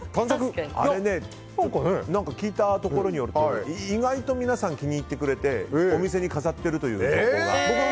あれね、聞いたところによると意外と皆さん、気に入ってくれてお店に飾ってるという情報が。